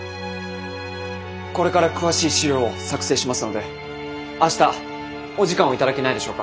これから詳しい資料を作成しますので明日お時間を頂けないでしょうか。